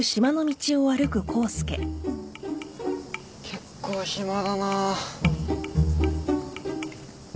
結構暇だなあ。